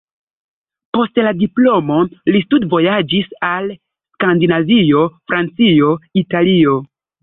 Post la diplomo li studvojaĝis al Skandinavio, Francio, Italio.